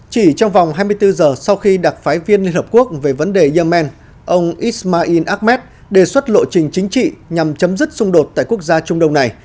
chỉ trong vòng hai mươi bốn giờ sau khi đặc phái viên liên hợp quốc về vấn đề yemen ông ismail ahmed đề xuất lộ trình chính trị nhằm chấm dứt xung đột tại quốc gia trung đông này